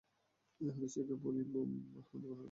এ হাদীসটি কেবল ইমাম আহমদই বর্ণনা করেছেন।